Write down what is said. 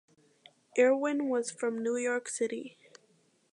Irwin was from New York City.